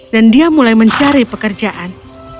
dan dia mulai mencari pekerjaan